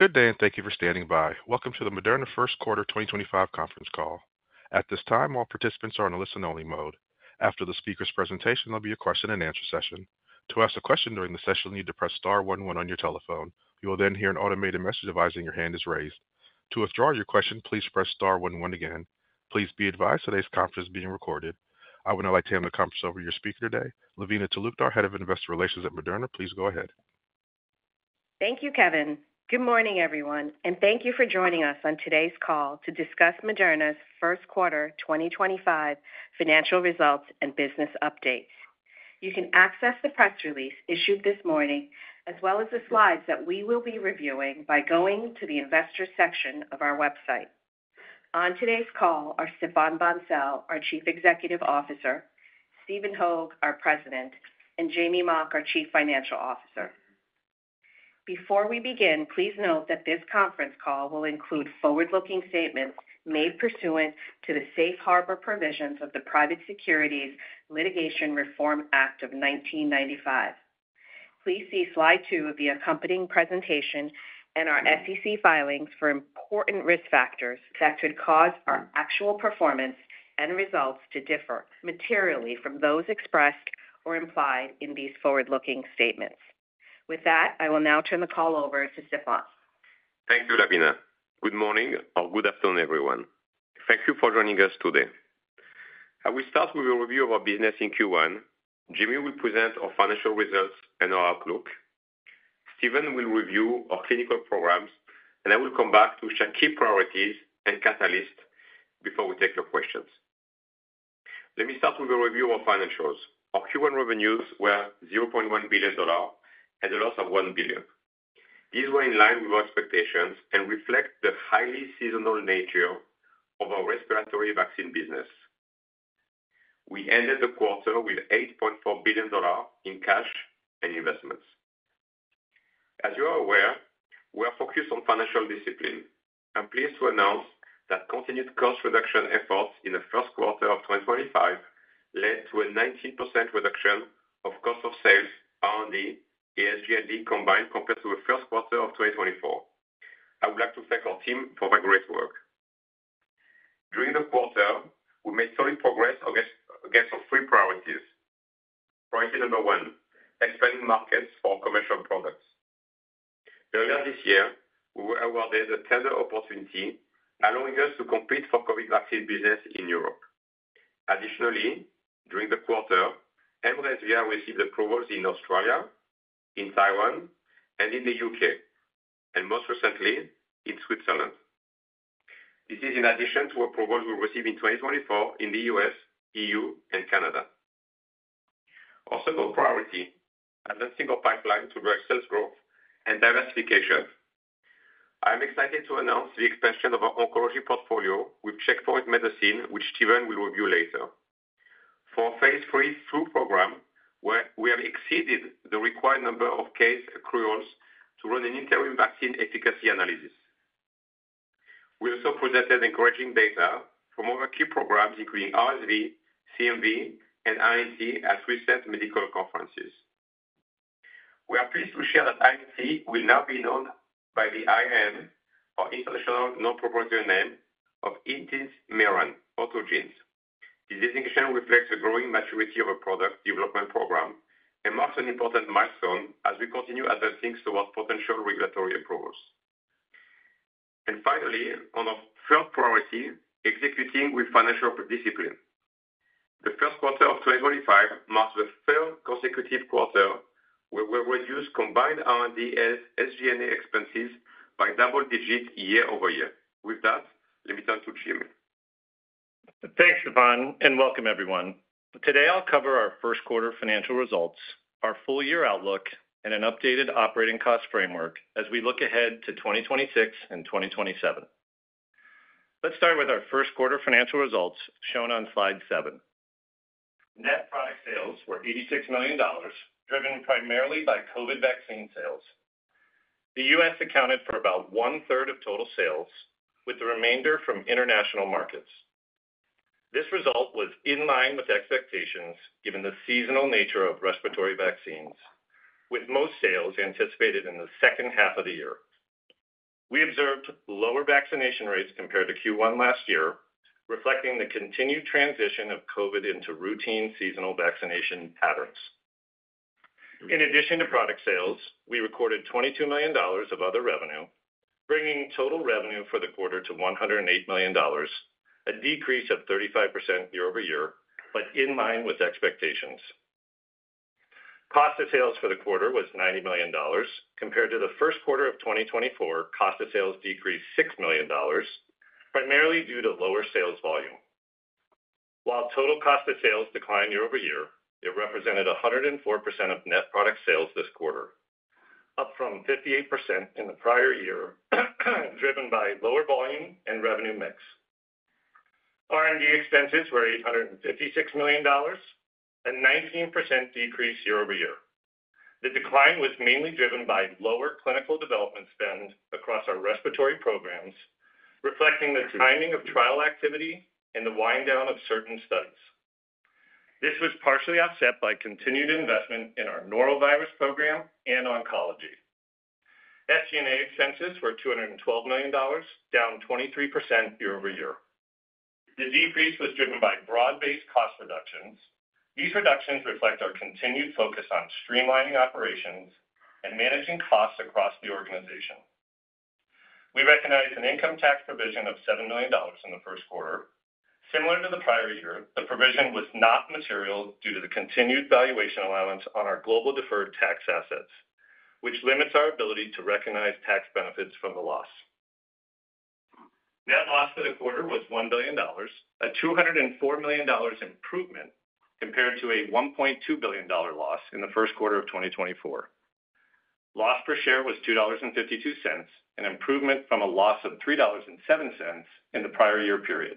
Good day, and thank you for standing by. Welcome to the Moderna Q1 2025 conference call. At this time, all participants are in a listen-only mode. After the speaker's presentation, there'll be a question-and-answer session. To ask a question during the session, you'll need to press star one one on your telephone. You will then hear an automated message advising your hand is raised. To withdraw your question, please press star one one again. Please be advised today's conference is being recorded. I would now like to hand the conference over to your speaker today, Lavina Talukdar, Head of Investor Relations at Moderna. Please go ahead. Thank you, Kevin. Good morning, everyone, and thank you for joining us on today's call to discuss Moderna's Q1 2025 financial results and business updates. You can access the press release issued this morning, as well as the slides that we will be reviewing by going to the investor section of our website. On today's call are Stéphane Bancel, our Chief Executive Officer, Stephen Hoge, our President, and Jamey Mock, our Chief Financial Officer. Before we begin, please note that this conference call will include forward-looking statements made pursuant to the Safe Harbor Provisions of the Private Securities Litigation Reform Act of 1995. Please see Slide 2 of the accompanying presentation and our SEC filings for important risk factors that could cause our actual performance and results to differ materially from those expressed or implied in these forward-looking statements. With that, I will now turn the call over to Stéphane. Thank you, Lavina. Good morning or good afternoon, everyone. Thank you for joining us today. I will start with a review of our business in Q1. Jamey will present our financial results and our outlook. Stephen will review our clinical programs, and I will come back to share key priorities and catalysts before we take your questions. Let me start with a review of our financials. Our Q1 revenues were $0.1 billion and a loss of $1 billion. These were in line with our expectations and reflect the highly seasonal nature of our respiratory vaccine business. We ended the quarter with $8.4 billion in cash and investments. As you are aware, we are focused on financial discipline. I'm pleased to announce that continued cost reduction efforts in the Q1 of 2025 led to a 19% reduction of cost of sales, R&D, SG&A, and lead combined compared to the Q1 of 2024. I would like to thank our team for their great work. During the quarter, we made solid progress against our three priorities. Priority number one: expanding markets for commercial products. Earlier this year, we were awarded a tender opportunity allowing us to compete for COVID vaccine business in Europe. Additionally, during the quarter, mRESVIA received approvals in Australia, in Taiwan, and in the U.K., and most recently in Switzerland. This is in addition to approvals we received in 2024 in the U.S., E.U., and Canada. Our second priority: advancing our pipeline to drive sales growth and diversification. I'm excited to announce the expansion of our oncology portfolio with Checkpoint Medicine, which Stephen will review later. For our Phase 3 flu program, we have exceeded the required number of case accruals to run an interim vaccine efficacy analysis. We also presented encouraging data from other key programs, including RSV, CMV, and INT at recent medical conferences. We are pleased to share that INT will now be known by the INN, or International Nonproprietary Name, of Intismeran AutoGenes. This designation reflects the growing maturity of our product development program and marks an important milestone as we continue advancing towards potential regulatory approvals. Finally, on our third priority: executing with financial discipline. The Q1 of 2025 marks the third consecutive quarter where we've reduced combined R&D and SG&A expenses by double digits year-over-year. With that, let me turn to Jamey. Thanks, Stéphane, and welcome, everyone. Today, I'll cover our Q1 financial results, our full-year outlook, and an updated operating cost framework as we look ahead to 2026 and 2027. Let's start with our Q1 financial results shown on Slide 7. Net product sales were $86 million, driven primarily by COVID vaccine sales. The U.S. accounted for about one-third of total sales, with the remainder from international markets. This result was in line with expectations given the seasonal nature of respiratory vaccines, with most sales anticipated in the second half of the year. We observed lower vaccination rates compared to Q1 last year, reflecting the continued transition of COVID into routine seasonal vaccination patterns. In addition to product sales, we recorded $22 million of other revenue, bringing total revenue for the quarter to $108 million, a decrease of 35% year-over-year, but in line with expectations. Cost of sales for the quarter was $90 million. Compared to the Q1 of 2024, cost of sales decreased $6 million, primarily due to lower sales volume. While total cost of sales declined year-over-year, it represented 104% of net product sales this quarter, up from 58% in the prior year, driven by lower volume and revenue mix. R&D expenses were $856 million, a 19% decrease year-over-year. The decline was mainly driven by lower clinical development spend across our respiratory programs, reflecting the timing of trial activity and the wind down of certain studies. This was partially offset by continued investment in our norovirus program and oncology. SG&A expenses were $212 million, down 23% year-over-year. The decrease was driven by broad-based cost reductions. These reductions reflect our continued focus on streamlining operations and managing costs across the organization. We recognized an income tax provision of $7 million in the Q1. Similar to the prior year, the provision was not material due to the continued valuation allowance on our global deferred tax assets, which limits our ability to recognize tax benefits from the loss. Net loss for the quarter was $1 billion, a $204 million improvement compared to a $1.2 billion loss in the Q1 of 2024. Loss per share was $2.52, an improvement from a loss of $3.07 in the prior year period.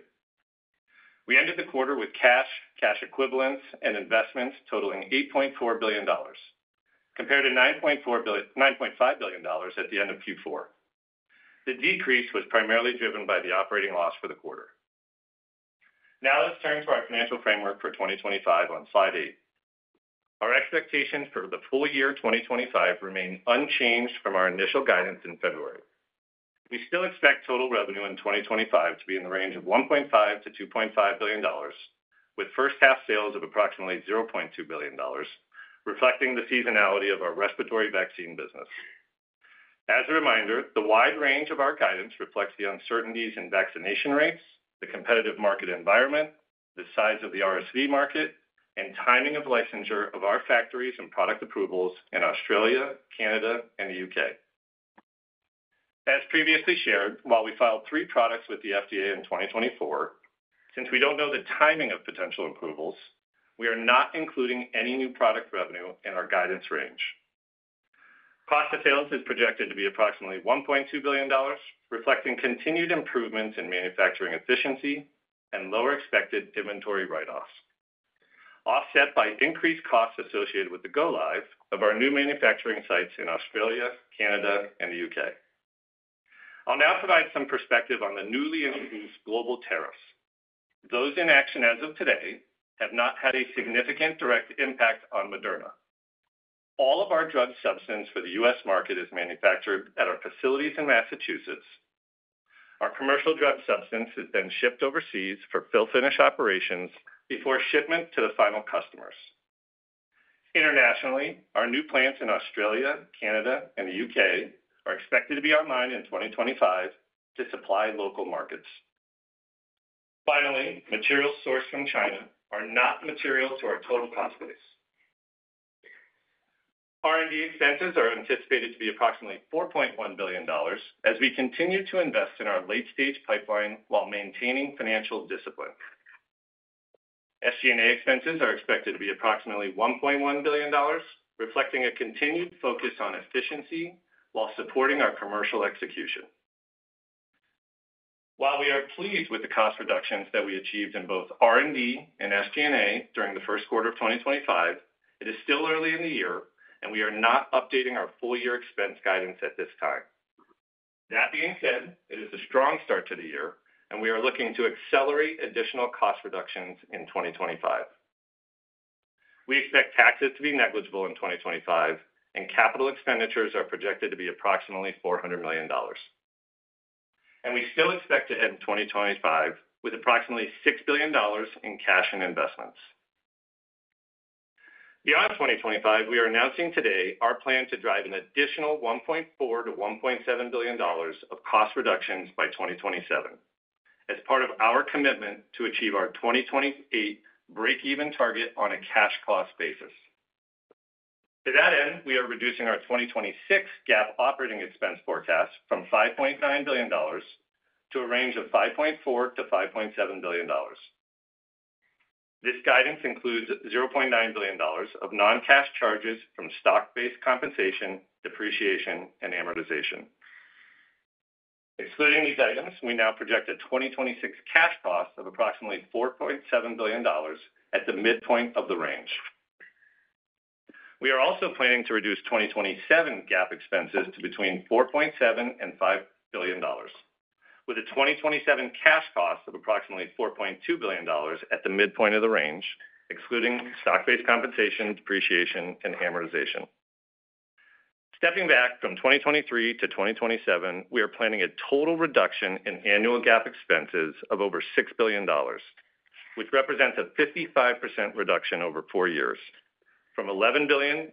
We ended the quarter with cash, cash equivalents, and investments totaling $8.4 billion, compared to $9.5 billion at the end of Q4. The decrease was primarily driven by the operating loss for the quarter. Now let's turn to our financial framework for 2025 on slide eight. Our expectations for the full year 2025 remain unchanged from our initial guidance in February. We still expect total revenue in 2025 to be in the range of $1.5 billion-$2.5 billion, with first-half sales of approximately $0.2 billion, reflecting the seasonality of our respiratory vaccine business. As a reminder, the wide range of our guidance reflects the uncertainties in vaccination rates, the competitive market environment, the size of the RSV market, and timing of licensure of our factories and product approvals in Australia, Canada, and the U.K. As previously shared, while we filed three products with the FDA in 2024, since we do not know the timing of potential approvals, we are not including any new product revenue in our guidance range. Cost of sales is projected to be approximately $1.2 billion, reflecting continued improvements in manufacturing efficiency and lower expected inventory write-offs, offset by increased costs associated with the go-live of our new manufacturing sites in Australia, Canada, and the U.K. I'll now provide some perspective on the newly introduced global tariffs. Those in action as of today have not had a significant direct impact on Moderna. All of our drug substance for the US market is manufactured at our facilities in Massachusetts. Our commercial drug substance has been shipped overseas for fill-finish operations before shipment to the final customers. Internationally, our new plants in Australia, Canada, and the U.K. are expected to be online in 2025 to supply local markets. Finally, materials sourced from China are not material to our total cost base. R&D expenses are anticipated to be approximately $4.1 billion as we continue to invest in our late-stage pipeline while maintaining financial discipline. SG&A expenses are expected to be approximately $1.1 billion, reflecting a continued focus on efficiency while supporting our commercial execution. While we are pleased with the cost reductions that we achieved in both R&D and SG&A during the Q1 of 2025, it is still early in the year, and we are not updating our full-year expense guidance at this time. That being said, it is a strong start to the year, and we are looking to accelerate additional cost reductions in 2025. We expect taxes to be negligible in 2025, and capital expenditures are projected to be approximately $400 million. We still expect to head in 2025 with approximately $6 billion in cash and investments. Beyond 2025, we are announcing today our plan to drive an additional $1.4 billion-$1.7 billion of cost reductions by 2027 as part of our commitment to achieve our 2028 break-even target on a cash cost basis. To that end, we are reducing our 2026 GAAP operating expense forecast from $5.9 billion to a range of $5.4billion-$5.7 billion. This guidance includes $0.9 billion of non-cash charges from stock-based compensation, depreciation, and amortization. Excluding these items, we now project a 2026 cash cost of approximately $4.7 billion at the midpoint of the range. We are also planning to reduce 2027 GAAP expenses to between $4.7billion and $5 billion, with a 2027 cash cost of approximately $4.2 billion at the midpoint of the range, excluding stock-based compensation, depreciation, and amortization. Stepping back from 2023 to 2027, we are planning a total reduction in annual GAAP expenses of over $6 billion, which represents a 55% reduction over four years, from $11 billion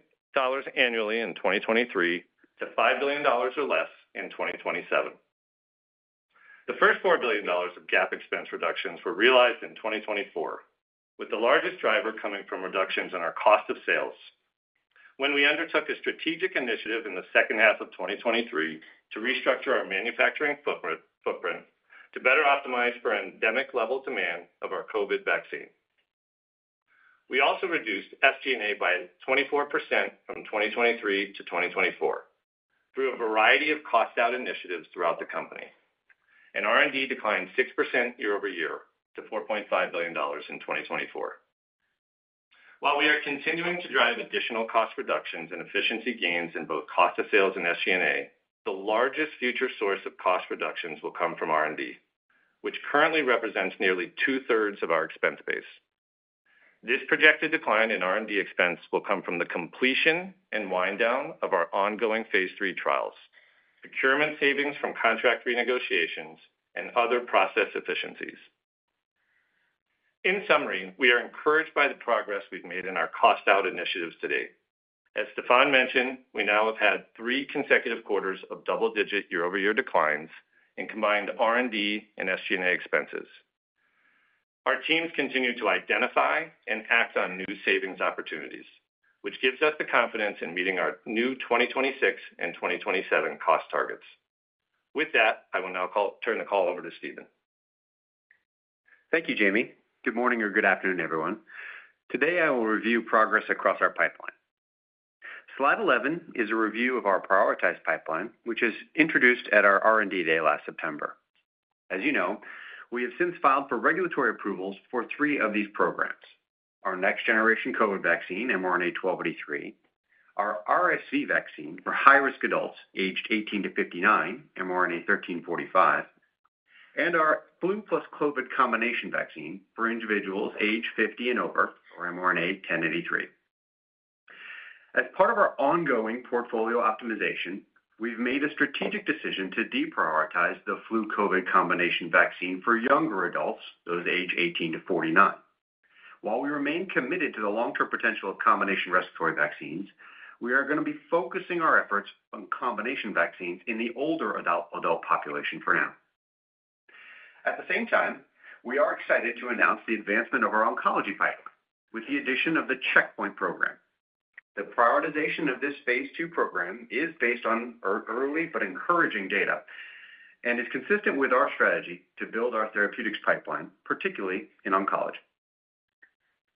annually in 2023 to $5 billion or less in 2027. The first $4 billion of GAAP expense reductions were realized in 2024, with the largest driver coming from reductions in our cost of sales, when we undertook a strategic initiative in the second half of 2023 to restructure our manufacturing footprint to better optimize for endemic-level demand of our COVID vaccine. We also reduced SG&A by 24% from 2023 to 2024 through a variety of cost-out initiatives throughout the company, and R&D declined 6% year-over-year to $4.5 billion in 2024. While we are continuing to drive additional cost reductions and efficiency gains in both cost of sales and SG&A, the largest future source of cost reductions will come from R&D, which currently represents nearly two-thirds of our expense base. This projected decline in R&D expense will come from the completion and wind down of our ongoing Phase 3 trials, procurement savings from contract renegotiations, and other process efficiencies. In summary, we are encouraged by the progress we've made in our cost-out initiatives today. As Stéphane mentioned, we now have had three consecutive quarters of double-digit year-over-year declines in combined R&D and SG&A expenses. Our teams continue to identify and act on new savings opportunities, which gives us the confidence in meeting our new 2026 and 2027 cost targets. With that, I will now turn the call over to Stephen. Thank you, Jamey. Good morning or good afternoon, everyone. Today, I will review progress across our pipeline. Slide 11 is a review of our prioritized pipeline, which was introduced at our R&D day last September. As you know, we have since filed for regulatory approvals for three of these programs: our next-generation COVID vaccine, mRNA-1283; our RSV vaccine for high-risk adults, aged 18 to 59, mRNA-1345; and our flu plus COVID combination vaccine for individuals aged 50 and over, or mRNA-1083. As part of our ongoing portfolio optimization, we've made a strategic decision to deprioritize the flu COVID combination vaccine for younger adults, those aged 18 to 49. While we remain committed to the long-term potential of combination respiratory vaccines, we are going to be focusing our efforts on combination vaccines in the older adult population for now. At the same time, we are excited to announce the advancement of our oncology pipeline with the addition of the Checkpoint program. The prioritization of this Phase II program is based on early but encouraging data and is consistent with our strategy to build our therapeutics pipeline, particularly in oncology.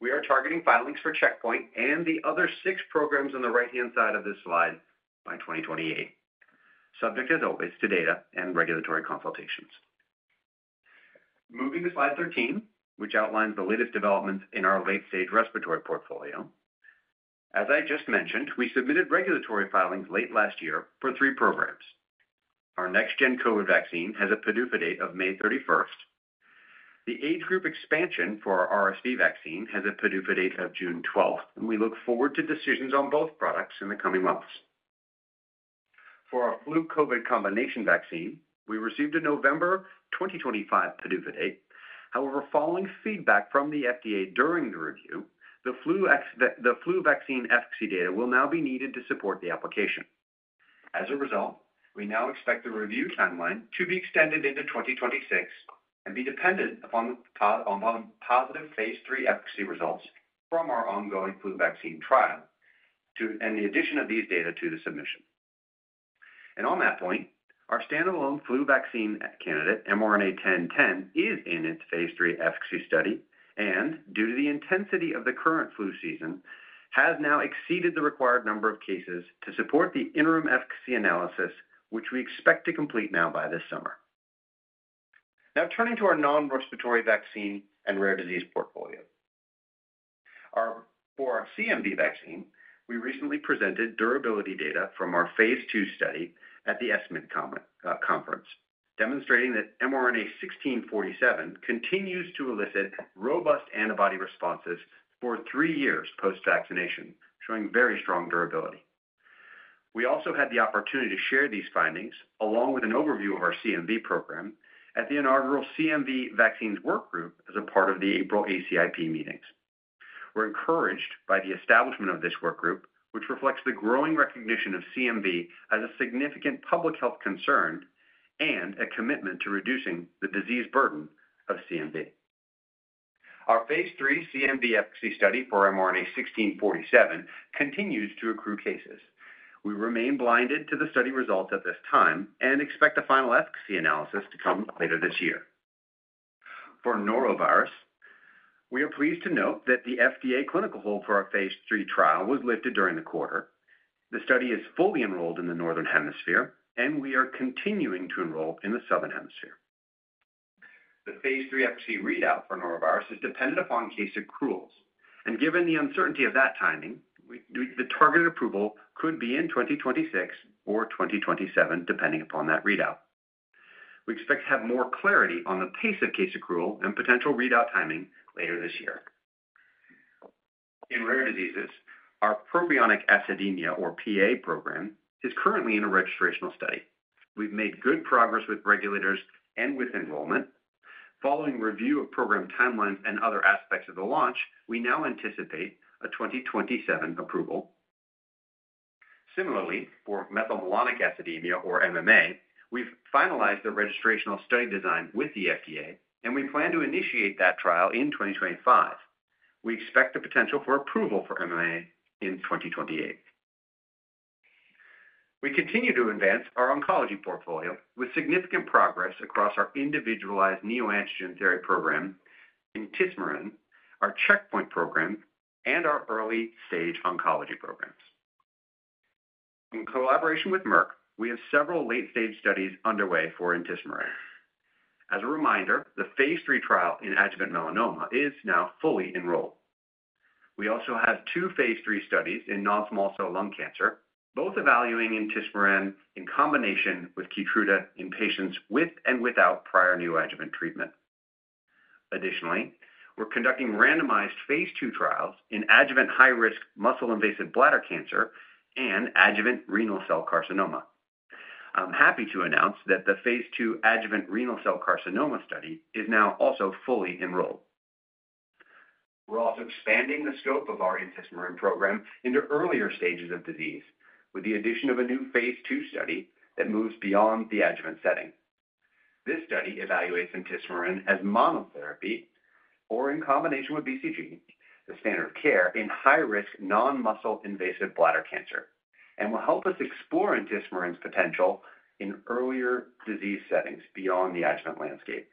We are targeting filings for Checkpoint and the other six programs on the right-hand side of this slide by 2028, subject, as always, to data and regulatory consultations. Moving to slide 13, which outlines the latest developments in our late-stage respiratory portfolio. As I just mentioned, we submitted regulatory filings late last year for three programs. Our next-gen COVID vaccine has a PDUFA date of May 31. The age group expansion for our RSV vaccine has a PDUFA date of June 12, and we look forward to decisions on both products in the coming months. For our flu COVID combination vaccine, we received a November 2025 PDUFA date. However, following feedback from the FDA during the review, the flu vaccine efficacy data will now be needed to support the application. As a result, we now expect the review timeline to be extended into 2026 and be dependent upon positive Phase 3 efficacy results from our ongoing flu vaccine trial and the addition of these data to the submission. On that point, our standalone flu vaccine candidate, mRNA-1010, is in its Phase 3 efficacy study and, due to the intensity of the current flu season, has now exceeded the required number of cases to support the interim efficacy analysis, which we expect to complete now by this summer. Now turning to our non-respiratory vaccine and rare disease portfolio. For our CMV vaccine, we recently presented durability data from our Phase II study at the ESCMID, demonstrating that mRNA-1647 continues to elicit robust antibody responses for three years post-vaccination, showing very strong durability. We also had the opportunity to share these findings along with an overview of our CMV program at the inaugural CMV vaccines workgroup as a part of the April ACIP meetings. We're encouraged by the establishment of this workgroup, which reflects the growing recognition of CMV as a significant public health concern and a commitment to reducing the disease burden of CMV. Our Phase 3 CMV efficacy study for mRNA-1647 continues to accrue cases. We remain blinded to the study results at this time and expect a final efficacy analysis to come later this year. For Norovirus, we are pleased to note that the FDA clinical hold for our Phase 3 trial was lifted during the quarter. The study is fully enrolled in the northern hemisphere, and we are continuing to enroll in the southern hemisphere. The Phase 3 efficacy readout for Norovirus is dependent upon case accruals, and given the uncertainty of that timing, the target approval could be in 2026 or 2027, depending upon that readout. We expect to have more clarity on the pace of case accrual and potential readout timing later this year. In rare diseases, our Propionic Acidemia, or PA, program is currently in a registrational study. We've made good progress with regulators and with enrollment. Following review of program timelines and other aspects of the launch, we now anticipate a 2027 approval. Similarly, for Methylmalonic Acidemia, or MMA, we've finalized the registrational study design with the FDA, and we plan to initiate that trial in 2025. We expect the potential for approval for MMA in 2028. We continue to advance our oncology portfolio with significant progress across our individualized neoantigen therapy program, INT program, our Checkpoint program, and our early-stage oncology programs. In collaboration with Merck, we have several late-stage studies underway for the INT program. As a reminder, the Phase 3 trial in adjuvant melanoma is now fully enrolled. We also have two Phase 3 studies in non-small cell lung cancer, both evaluating the INT program in combination with Keytruda in patients with and without prior neoadjuvant treatment. Additionally, we're conducting randomized Phase II trials in adjuvant high-risk muscle-invasive bladder cancer and adjuvant renal cell carcinoma. I'm happy to announce that the Phase II adjuvant renal cell carcinoma study is now also fully enrolled. We're also expanding the scope of our Intismeran program into earlier stages of disease with the addition of a new Phase II study that moves beyond the adjuvant setting. This study evaluates Intismeran as monotherapy or in combination with BCG, the standard of care in high-risk non-muscle-invasive bladder cancer, and will help us explore Intismeran's potential in earlier disease settings beyond the adjuvant landscape.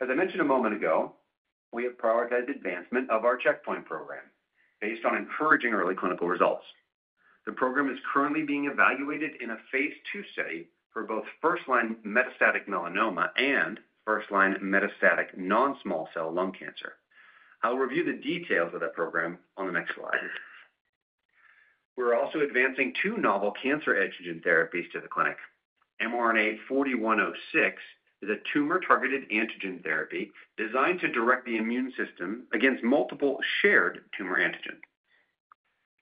As I mentioned a moment ago, we have prioritized advancement of our Checkpoint program based on encouraging early clinical results. The program is currently being evaluated in a Phase II study for both first-line metastatic melanoma and first-line metastatic non-small cell lung cancer. I'll review the details of that program on the next slide. We're also advancing two novel cancer antigen therapies to the clinic. mRNA-4106 is a tumor-targeted antigen therapy designed to direct the immune system against multiple shared tumor antigens.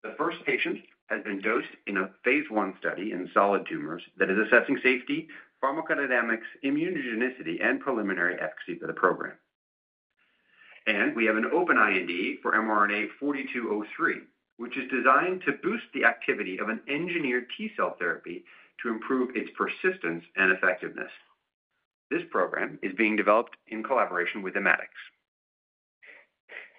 The first patient has been dosed in a Phase I study in solid tumors that is assessing safety, pharmacodynamics, immunogenicity, and preliminary efficacy for the program. We have an open IND for mRNA-4203, which is designed to boost the activity of an engineered T-cell therapy to improve its persistence and effectiveness. This program is being developed in collaboration with Immatics.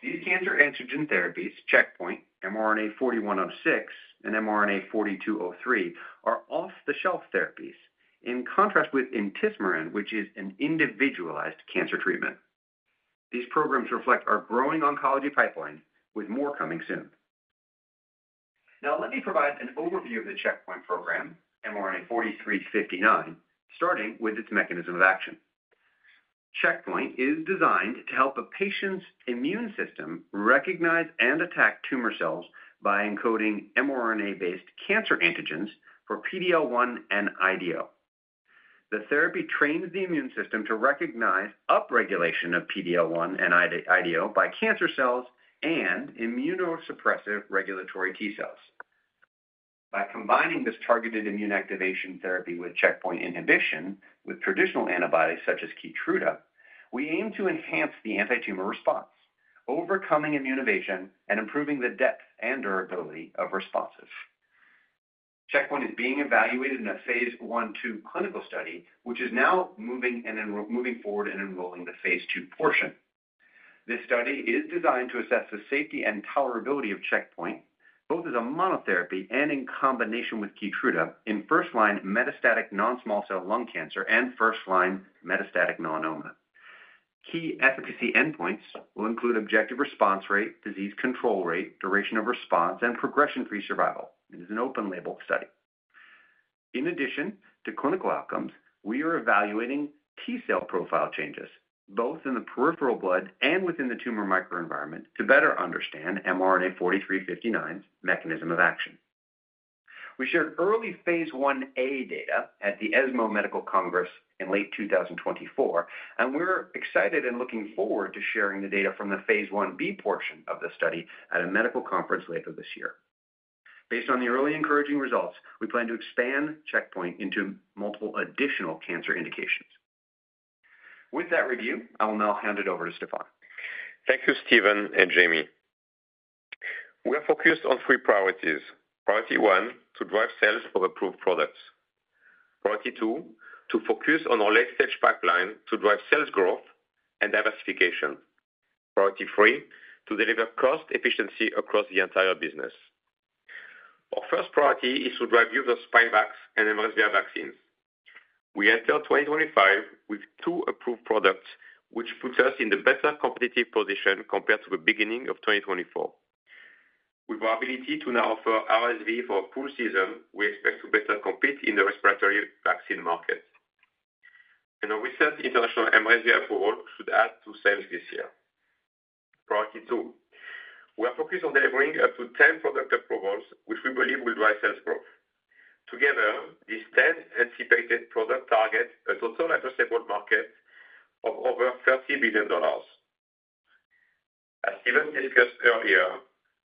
These cancer antigen therapies, Checkpoint, mRNA-4106, and mRNA-4203, are off-the-shelf therapies, in contrast with Intismeran, which is an individualized cancer treatment. These programs reflect our growing oncology pipeline, with more coming soon. Now, let me provide an overview of the Checkpoint program, mRNA-4359, starting with its mechanism of action. Checkpoint is designed to help a patient's immune system recognize and attack tumor cells by encoding mRNA-based cancer antigens for PD-L1 and IDO. The therapy trains the immune system to recognize upregulation of PD-L1 and IDO by cancer cells and immunosuppressive regulatory T-cells. By combining this targeted immune activation therapy with checkpoint inhibition with traditional antibodies such as Keytruda, we aim to enhance the anti-tumor response, overcoming immunoevasion and improving the depth and durability of responses. Checkpoint is being evaluated in a Phase I-II clinical study, which is now moving forward and enrolling the Phase II portion. This study is designed to assess the safety and tolerability of Checkpoint, both as a monotherapy and in combination with Keytruda in first-line metastatic non-small cell lung cancer and first-line metastatic melanoma. Key efficacy endpoints will include objective response rate, disease control rate, duration of response, and progression-free survival. It is an open-label study. In addition to clinical outcomes, we are evaluating T-cell profile changes, both in the peripheral blood and within the tumor microenvironment, to better understand mRNA-4359's mechanism of action. We shared early Phase 1a data at the ESMO Medical Congress in late 2024, and we're excited and looking forward to sharing the data from the Phase 1b portion of the study at a medical conference later this year. Based on the early encouraging results, we plan to expand Checkpoint into multiple additional cancer indications. With that review, I will now hand it over to Stéphane. Thank you, Stephen and Jamey. We are focused on three priorities. Priority one: to drive sales of approved products. Priority two: to focus on our late-stage pipeline to drive sales growth and diversification. Priority three: to deliver cost efficiency across the entire business. Our first priority is to drive use of Spikevax and mRESVIA vaccines. We enter 2025 with two approved products, which puts us in a better competitive position compared to the beginning of 2024. With our ability to now offer RSV for a full season, we expect to better compete in the respiratory vaccine market. Our recent international mRESVIA approval should add to sales this year. Priority two: we are focused on delivering up to 10 product approvals, which we believe will drive sales growth. Together, these 10 anticipated products target a total addressable market of over $30 billion. As Stephen discussed earlier,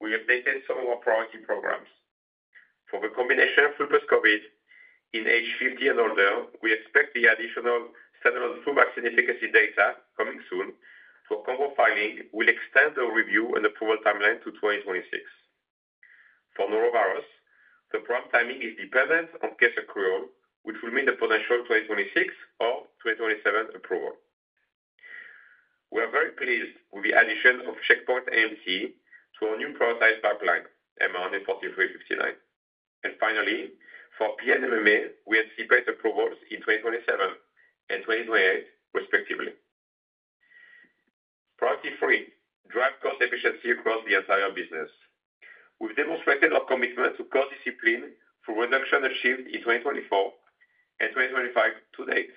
we have taken some of our priority programs. For the combination flu plus COVID in age 50 and older, we expect the additional standard flu vaccine efficacy data coming soon. For combo filing, we will extend the review and approval timeline to 2026. For Norovirus, the prime timing is dependent on case accrual, which will mean the potential 2026 or 2027 approval. We are very pleased with the addition of Checkpoint AMT to our new prioritized pipeline, mRNA-4359. Finally, for PA and MMA, we anticipate approvals in 2027 and 2028, respectively. Priority three: drive cost efficiency across the entire business. We have demonstrated our commitment to cost discipline for reduction achieved in 2024 and 2025 to date.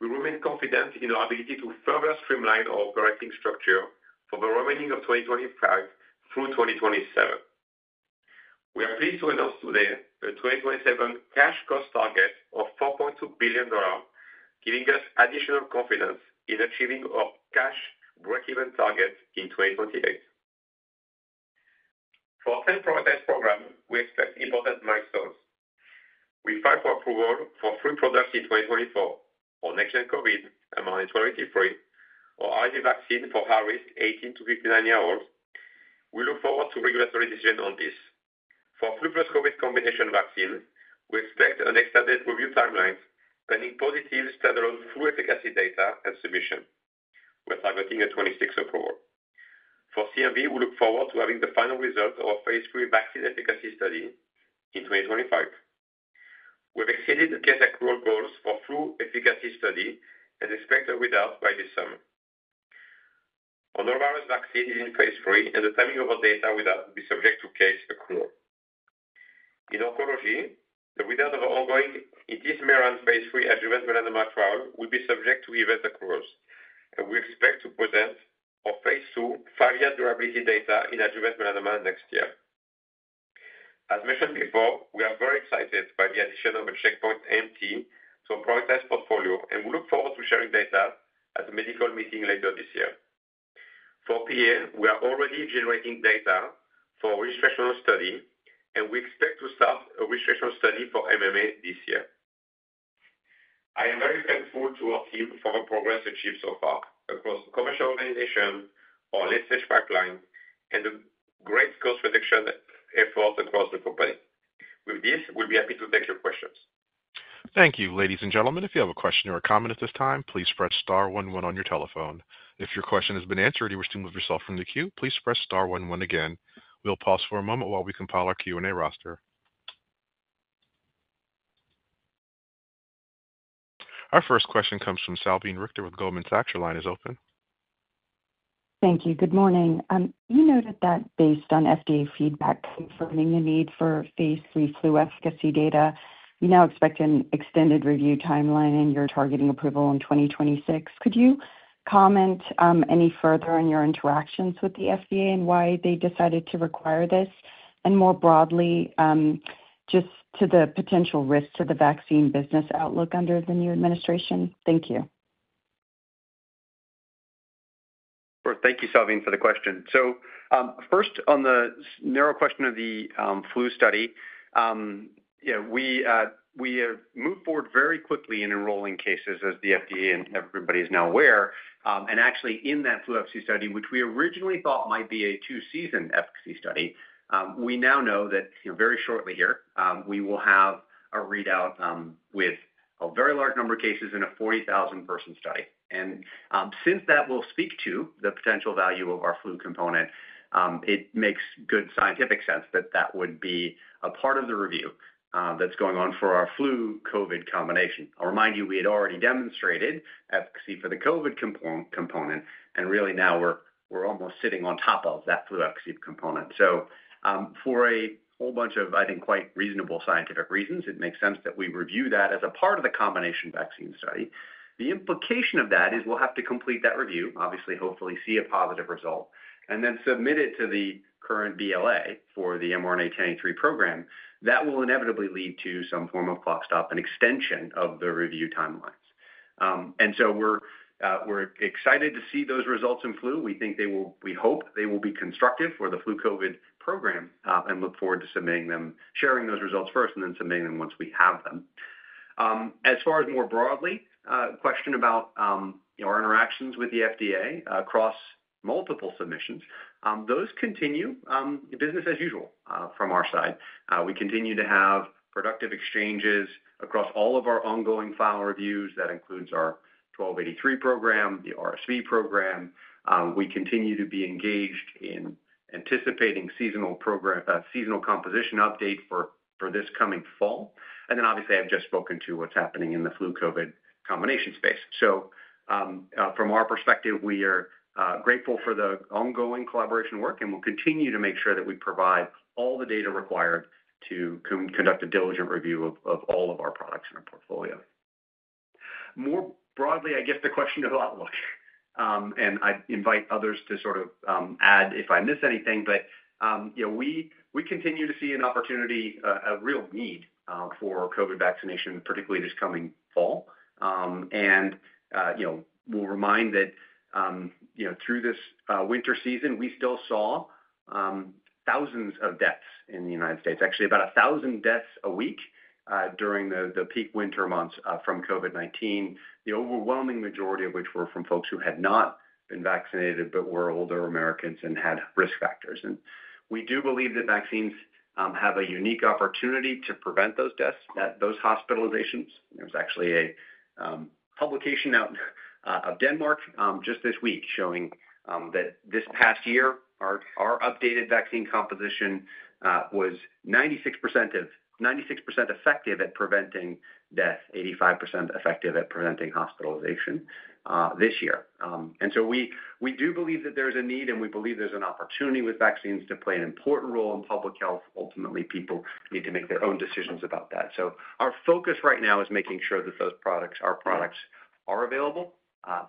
We remain confident in our ability to further streamline our operating structure for the remaining of 2025 through 2027. We are pleased to announce today a 2027 cash cost target of $4.2 billion, giving us additional confidence in achieving our cash break-even target in 2028. For our 10 prioritized programs, we expect important milestones. We fight for approval for three products in 2024: our next-gen COVID, mRNA-1283, our RSV vaccine for high-risk 18 to 59-year-olds. We look forward to regulatory decisions on this. For flu plus COVID combination vaccine, we expect an extended review timeline pending positive standard of flu efficacy data and submission. We're targeting a 2026 approval. For CMV, we look forward to having the final result of our Phase 3 vaccine efficacy study in 2025. We've exceeded the case accrual goals for flu efficacy study and expect a readout by this summer. Our Norovirus vaccine is in Phase 3, and the timing of our data readout will be subject to case accrual. In oncology, the readout of our ongoing Intismeran Phase 3 adjuvant melanoma trial will be subject to event accruals, and we expect to present our Phase II five-year durability data in adjuvant melanoma next year. As mentioned before, we are very excited by the addition of a checkpoint AMT to our prioritized portfolio, and we look forward to sharing data at the medical meeting later this year. For PA, we are already generating data for registrational study, and we expect to start a registrational study for MMA this year. I am very thankful to our team for the progress achieved so far across the commercial organization, our late-stage pipeline, and the great cost reduction effort across the company. With this, we'll be happy to take your questions. Thank you, ladies and gentlemen. If you have a question or a comment at this time, please press star one one on your telephone. If your question has been answered or you wish to move yourself from the queue, please press star one one again. We'll pause for a moment while we compile our Q&A roster. Our first question comes from Salveen Richter with Goldman Sachs. Your line is open. Thank you. Good morning. You noted that based on FDA feedback confirming the need for Phase 3 flu efficacy data, you now expect an extended review timeline and you're targeting approval in 2026. Could you comment any further on your interactions with the FDA and why they decided to require this? More broadly, just to the potential risk to the vaccine business outlook under the new administration? Thank you. Sure. Thank you, Salveen, for the question. First, on the narrow question of the flu study, we have moved forward very quickly in enrolling cases, as the FDA and everybody is now aware. Actually, in that flu efficacy study, which we originally thought might be a two-season efficacy study, we now know that very shortly here, we will have a readout with a very large number of cases in a 40,000-person study. Since that will speak to the potential value of our flu component, it makes good scientific sense that that would be a part of the review that is going on for our flu-COVID combination. I'll remind you, we had already demonstrated efficacy for the COVID component, and really now we're almost sitting on top of that flu efficacy component. For a whole bunch of, I think, quite reasonable scientific reasons, it makes sense that we review that as a part of the combination vaccine study. The implication of that is we'll have to complete that review, obviously, hopefully see a positive result, and then submit it to the current BLA for the mRNA-1083 program. That will inevitably lead to some form of clock stop and extension of the review timelines. We are excited to see those results in flu. We think they will—we hope they will be constructive for the flu-COVID program and look forward to submitting them, sharing those results first, and then submitting them once we have them. As far as more broadly, a question about our interactions with the FDA across multiple submissions, those continue business as usual from our side. We continue to have productive exchanges across all of our ongoing final reviews. That includes our 1283 program, the RSV program. We continue to be engaged in anticipating seasonal composition update for this coming fall. Obviously, I've just spoken to what's happening in the flu-COVID combination space. From our perspective, we are grateful for the ongoing collaboration work, and we'll continue to make sure that we provide all the data required to conduct a diligent review of all of our products in our portfolio. More broadly, I guess the question of outlook, and I invite others to sort of add if I miss anything, but we continue to see an opportunity, a real need for COVID vaccination, particularly this coming fall. We will remind that through this winter season, we still saw thousands of deaths in the United States, actually about 1,000 deaths a week during the peak winter months from COVID-19, the overwhelming majority of which were from folks who had not been vaccinated but were older Americans and had risk factors. We do believe that vaccines have a unique opportunity to prevent those deaths, those hospitalizations. There was actually a publication out of Denmark just this week showing that this past year, our updated vaccine composition was 96% effective at preventing death, 85% effective at preventing hospitalization this year. We do believe that there is a need, and we believe there is an opportunity with vaccines to play an important role in public health. Ultimately, people need to make their own decisions about that. Our focus right now is making sure that those products, our products, are available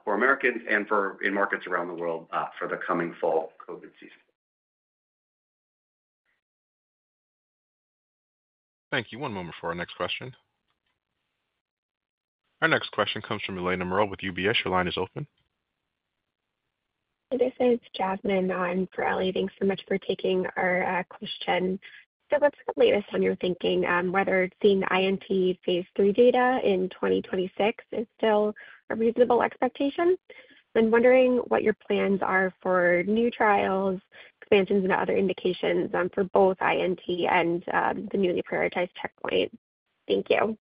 for Americans and for markets around the world for the coming fall COVID season. Thank you. One moment for our next question. Our next question comes from Eliana Merle with UBS. Your line is open. This is Julian. Thank you so much for taking our question. Let's complete this on your thinking, whether seeing INT Phase 3 data in 2026 is still a reasonable expectation. I'm wondering what your plans are for new trials, expansions, and other indications for both INT and the newly prioritized checkpoint. Thank you.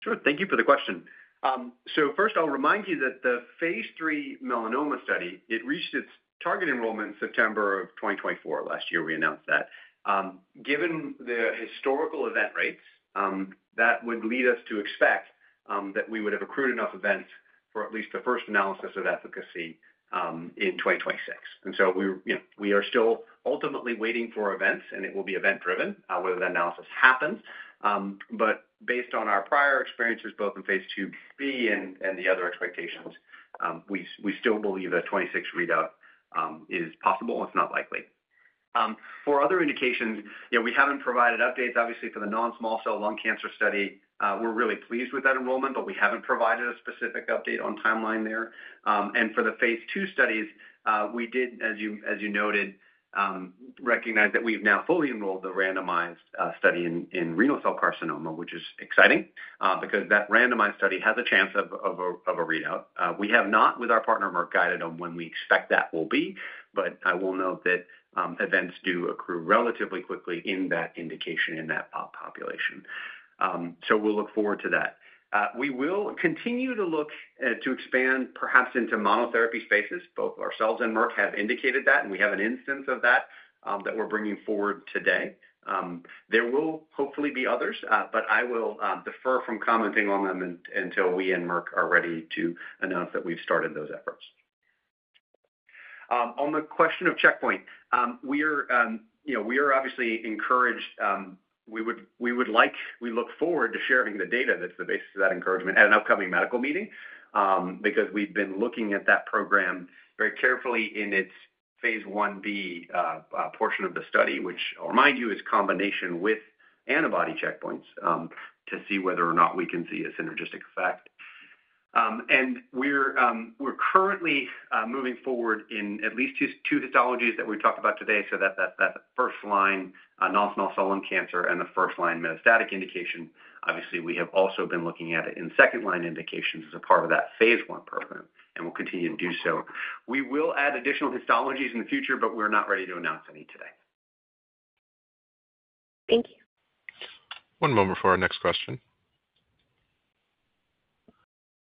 Sure. Thank you for the question. First, I'll remind you that the Phase 3 melanoma study reached its target enrollment in September of 2024. Last year, we announced that. Given the historical event rates, that would lead us to expect that we would have accrued enough events for at least the first analysis of efficacy in 2026. We are still ultimately waiting for events, and it will be event-driven whether the analysis happens. Based on our prior experiences, both in Phase IIB and the other expectations, we still believe that 2026 readout is possible. It's not likely. For other indications, we haven't provided updates, obviously, for the non-small cell lung cancer study. We're really pleased with that enrollment, but we haven't provided a specific update on timeline there. For the Phase II studies, we did, as you noted, recognize that we've now fully enrolled the randomized study in renal cell carcinoma, which is exciting because that randomized study has a chance of a readout. We have not, with our partner Merck, guided on when we expect that will be, but I will note that events do accrue relatively quickly in that indication, in that population. We will look forward to that. We will continue to look to expand perhaps into monotherapy spaces. Both ourselves and Merck have indicated that, and we have an instance of that that we're bringing forward today. There will hopefully be others, but I will defer from commenting on them until we and Merck are ready to announce that we've started those efforts. On the question of checkpoint, we are obviously encouraged. We look forward to sharing the data that's the basis of that encouragement at an upcoming medical meeting because we've been looking at that program very carefully in its Phase I B portion of the study, which, I'll remind you, is combination with antibody checkpoints to see whether or not we can see a synergistic effect. We're currently moving forward in at least two histologies that we've talked about today. That's the first line non-small cell lung cancer and the first line metastatic indication. Obviously, we have also been looking at it in second line indications as a part of that Phase I program, and we'll continue to do so. We will add additional histologies in the future, but we're not ready to announce any today. Thank you. One moment for our next question.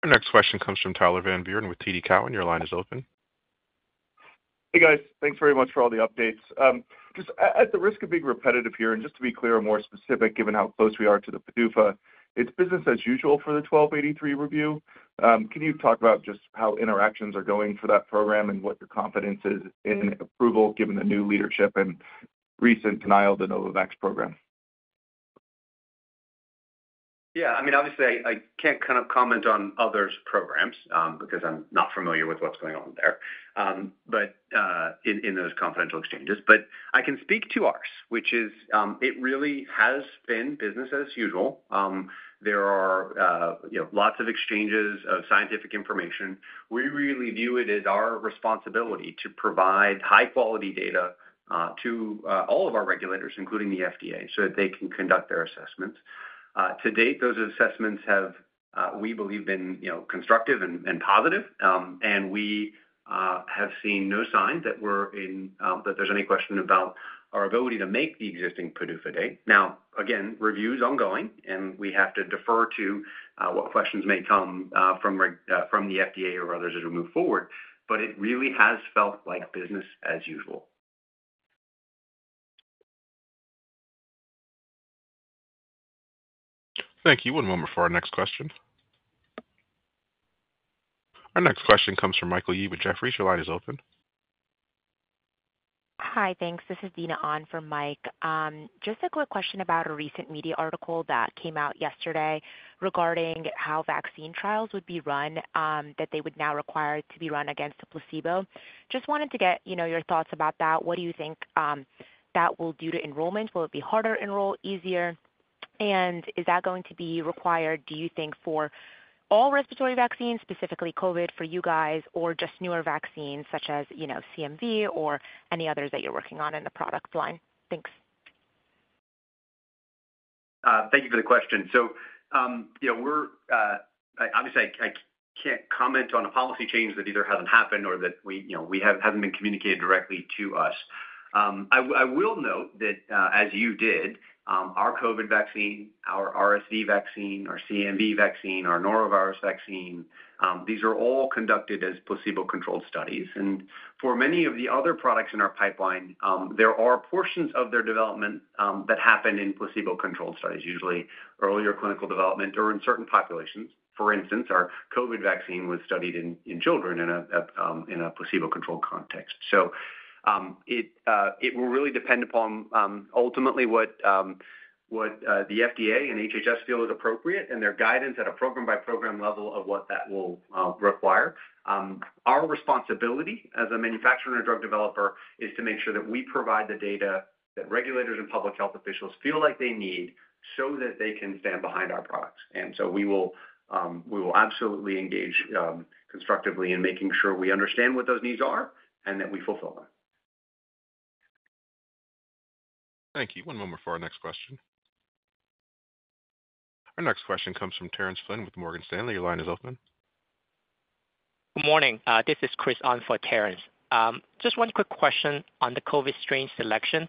Our next question comes from Tyler Van Buren with TD Cowen. Your line is open. Hey, guys. Thanks very much for all the updates. Just at the risk of being repetitive here, and just to be clear and more specific, given how close we are to the PDUFA, it's business as usual for the 1283 review. Can you talk about just how interactions are going for that program and what your confidence is in approval, given the new leadership and recent denial of the Novavax program? Yeah. I mean, obviously, I can't kind of comment on others' programs because I'm not familiar with what's going on there, in those confidential exchanges. I can speak to ours, which is it really has been business as usual. There are lots of exchanges of scientific information. We really view it as our responsibility to provide high-quality data to all of our regulators, including the FDA, so that they can conduct their assessments. To date, those assessments have, we believe, been constructive and positive, and we have seen no sign that there's any question about our ability to make the existing PDUFA date. Now, again, review's ongoing, and we have to defer to what questions may come from the FDA or others as we move forward, but it really has felt like business as usual. Thank you. One moment for our next question. Our next question comes from Michael Yee with Jefferies. Your line is open. Hi, thanks. This is Dina for Mike. Just a quick question about a recent media article that came out yesterday regarding how vaccine trials would be run, that they would now require to be run against a placebo. Just wanted to get your thoughts about that. What do you think that will do to enrollment? Will it be harder to enroll, easier? Is that going to be required, do you think, for all respiratory vaccines, specifically COVID, for you guys, or just newer vaccines such as CMV or any others that you're working on in the product line? Thanks. Thank you for the question. Obviously, I can't comment on a policy change that either hasn't happened or that hasn't been communicated directly to us. I will note that, as you did, our COVID vaccine, our RSV vaccine, our CMV vaccine, our norovirus vaccine, these are all conducted as placebo-controlled studies. For many of the other products in our pipeline, there are portions of their development that happen in placebo-controlled studies, usually earlier clinical development or in certain populations. For instance, our COVID vaccine was studied in children in a placebo-controlled context. It will really depend upon ultimately what the FDA and HHS feel is appropriate and their guidance at a program-by-program level of what that will require. Our responsibility as a manufacturer and a drug developer is to make sure that we provide the data that regulators and public health officials feel like they need so that they can stand behind our products. We will absolutely engage constructively in making sure we understand what those needs are and that we fulfill them. Thank you. One moment for our next question. Our next question comes from Terrence Flynn with Morgan Stanley. Your line is open. Good morning. This is Chris Ahn for Terrence. Just one quick question on the COVID strain selection.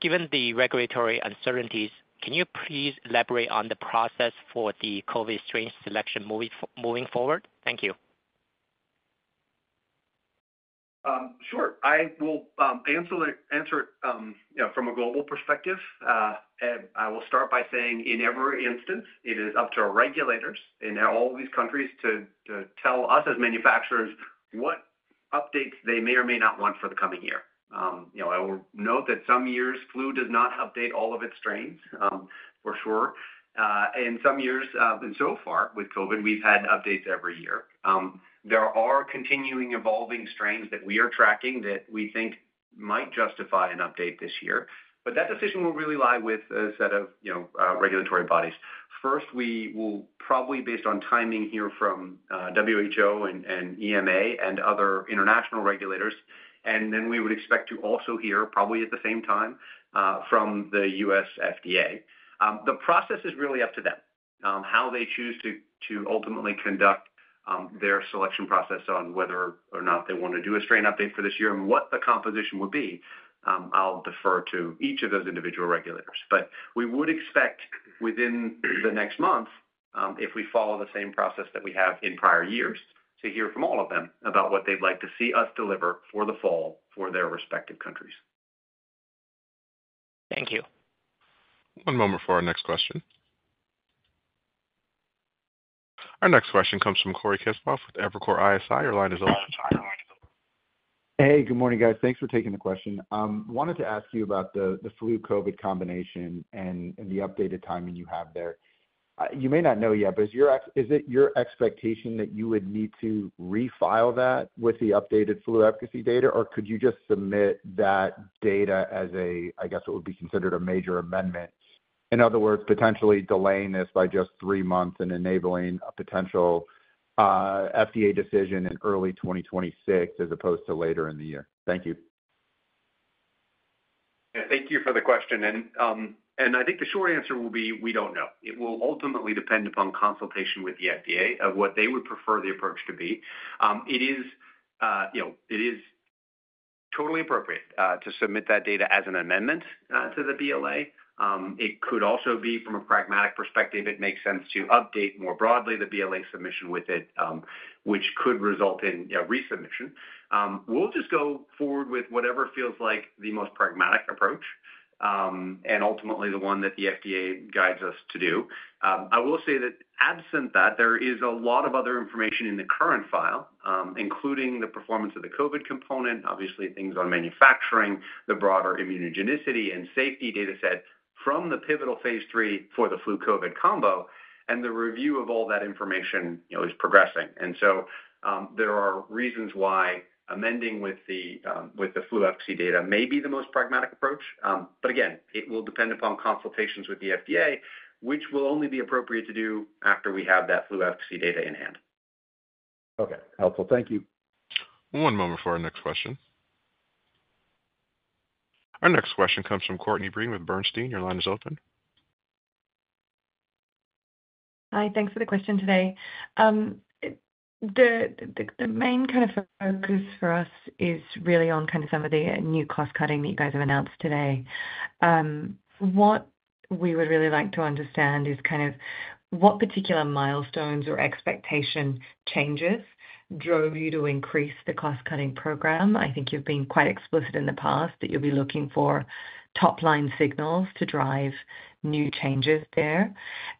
Given the regulatory uncertainties, can you please elaborate on the process for the COVID strain selection moving forward? Thank you. Sure. I will answer it from a global perspective. I will start by saying in every instance, it is up to our regulators in all of these countries to tell us as manufacturers what updates they may or may not want for the coming year. I will note that some years flu does not update all of its strains, for sure. Some years, and so far with COVID, we've had updates every year. There are continuing evolving strains that we are tracking that we think might justify an update this year. That decision will really lie with a set of regulatory bodies. First, we will probably, based on timing, hear from WHO and EMA and other international regulators, and then we would expect to also hear probably at the same time from the U.S. FDA. The process is really up to them, how they choose to ultimately conduct their selection process on whether or not they want to do a strain update for this year and what the composition will be. I'll defer to each of those individual regulators. We would expect within the next month, if we follow the same process that we have in prior years, to hear from all of them about what they'd like to see us deliver for the fall for their respective countries. Thank you. One moment for our next question. Our next question comes from Cory Kasimov with Evercore ISI. Your line is open. Hey, good morning, guys. Thanks for taking the question. Wanted to ask you about the flu-COVID combination and the updated timing you have there. You may not know yet, but is it your expectation that you would need to refile that with the updated flu efficacy data, or could you just submit that data as a, I guess, what would be considered a major amendment? In other words, potentially delaying this by just three months and enabling a potential FDA decision in early 2026 as opposed to later in the year. Thank you. Thank you for the question. I think the short answer will be we don't know. It will ultimately depend upon consultation with the FDA of what they would prefer the approach to be. It is totally appropriate to submit that data as an amendment to the BLA. It could also be, from a pragmatic perspective, it makes sense to update more broadly the BLA submission with it, which could result in resubmission. We'll just go forward with whatever feels like the most pragmatic approach and ultimately the one that the FDA guides us to do. I will say that absent that, there is a lot of other information in the current file, including the performance of the COVID component, obviously things on manufacturing, the broader immunogenicity and safety dataset from the pivotal Phase 3 for the flu-COVID combo, and the review of all that information is progressing. There are reasons why amending with the flu efficacy data may be the most pragmatic approach. Again, it will depend upon consultations with the FDA, which will only be appropriate to do after we have that flu efficacy data in hand. Okay. Helpful. Thank you. One moment for our next question. Our next question comes from Courtney Breen with Bernstein. Your line is open. Hi. Thanks for the question today. The main kind of focus for us is really on kind of some of the new cost-cutting that you guys have announced today. What we would really like to understand is kind of what particular milestones or expectation changes drove you to increase the cost-cutting program. I think you've been quite explicit in the past that you'll be looking for top-line signals to drive new changes there.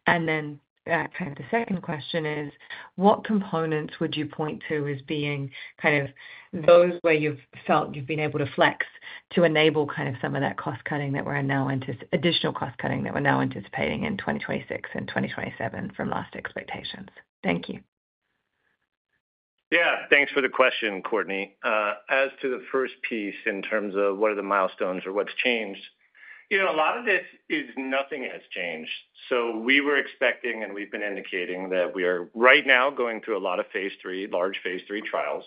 The second question is, what components would you point to as being kind of those where you've felt you've been able to flex to enable kind of some of that cost-cutting that we're now, additional cost-cutting that we're now anticipating in 2026 and 2027 from last expectations? Thank you. Yeah. Thanks for the question, Courtney. As to the first piece in terms of what are the milestones or what's changed, a lot of this is nothing has changed. We were expecting and we've been indicating that we are right now going through a lot of large Phase 3 trials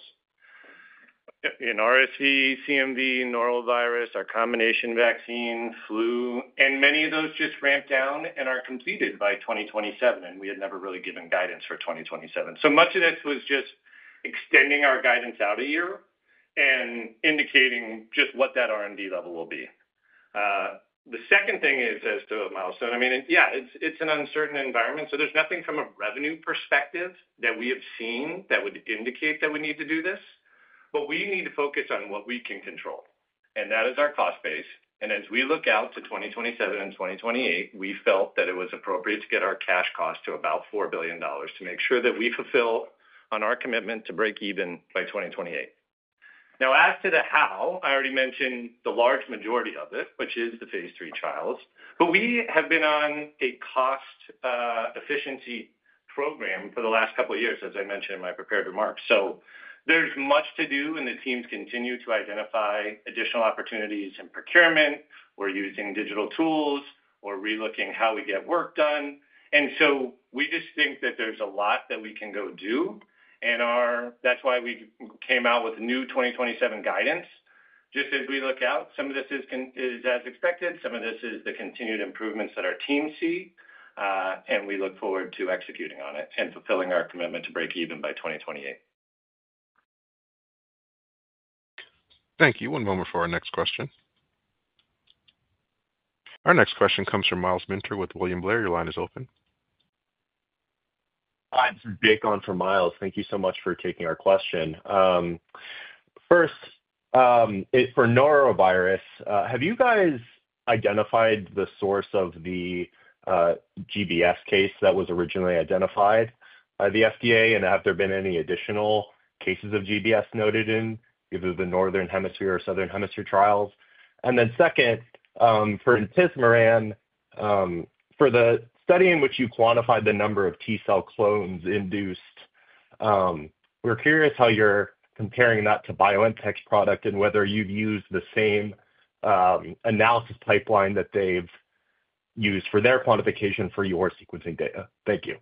in RSV, CMV, norovirus, our combination vaccine, flu, and many of those just ramped down and are completed by 2027, and we had never really given guidance for 2027. Much of this was just extending our guidance out a year and indicating just what that R&D level will be. The second thing is as to a milestone. I mean, yeah, it's an uncertain environment. There is nothing from a revenue perspective that we have seen that would indicate that we need to do this, but we need to focus on what we can control. That is our cost base. As we look out to 2027 and 2028, we felt that it was appropriate to get our cash cost to about $4 billion to make sure that we fulfill on our commitment to break even by 2028. As to the how, I already mentioned the large majority of it, which is the Phase 3 trials, but we have been on a cost-efficiency program for the last couple of years, as I mentioned in my prepared remarks. There is much to do, and the teams continue to identify additional opportunities in procurement or using digital tools or relooking how we get work done. We just think that there is a lot that we can go do. That is why we came out with new 2027 guidance. As we look out, some of this is as expected. Some of this is the continued improvements that our teams see, and we look forward to executing on it and fulfilling our commitment to break even by 2028. Thank you. One moment for our next question. Our next question comes from Myles Minter with William Blair. Your line is open. Hi. This is Dick for Myles. Thank you so much for taking our question. First, for norovirus, have you guys identified the source of the GBS case that was originally identified by the FDA, and have there been any additional cases of GBS noted in either the northern hemisphere or southern hemisphere trials? Second, for Intismeran, for the study in which you quantified the number of T cell clones induced, we're curious how you're comparing that to BioNTech's product and whether you've used the same analysis pipeline that they've used for their quantification for your sequencing data. Thank you.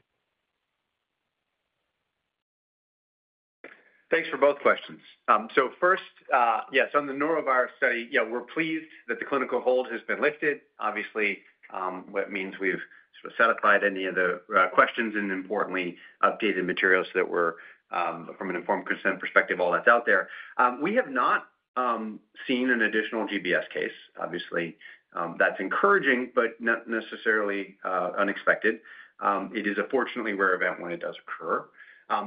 Thanks for both questions. Yes, on the norovirus study, we're pleased that the clinical hold has been lifted. Obviously, that means we've sort of set aside any of the questions and, importantly, updated materials so that we're, from an informed consent perspective, all that's out there. We have not seen an additional GBS case. Obviously, that's encouraging, but not necessarily unexpected. It is a fortunately rare event when it does occur.